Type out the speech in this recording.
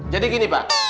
jadi gini pak